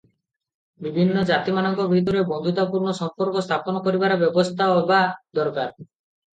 ବିଭିନ୍ନ ଜାତିମାନଙ୍କ ଭିତରେ ବନ୍ଧୁତାପୂର୍ଣ୍ଣ ସମ୍ପର୍କ ସ୍ଥାପନ କରିବାର ବ୍ୟବସ୍ଥା ହେବା ଦରକାର ।